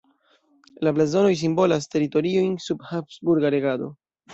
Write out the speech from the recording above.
La blazonoj simbolas teritoriojn sub habsburga regado.